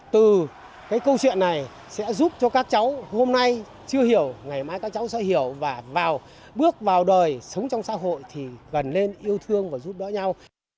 từ câu chuyện này sẽ giúp cho các cháu hôm nay chưa hiểu ngày mai các cháu sẽ hiểu và bước vào đời sống trong xã hội thì gần lên yêu thương và giúp đỡ nhau